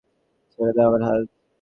ছেড়ে দাও আমার হাত!